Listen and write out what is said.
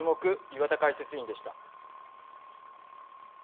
岩田解説委員でした。